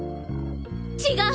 違う！